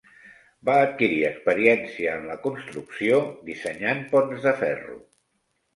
Va adquirir experiència en la construcció dissenyant ponts de ferro.